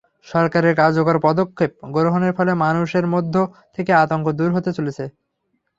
সরকারের কার্যকর পদক্ষেপ গ্রহণের ফলে মানুষের মধ্য থেকে আতঙ্ক দূর হতে চলেছে।